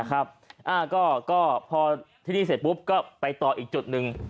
ก็พอที่นี่เสร็จปุ๊บก็ไปต่ออีกจุดหนึ่ง